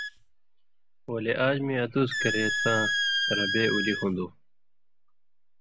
ولے آژ مِیں ادُوس کرے تاں ربے اُلی ہُون٘دوۡ،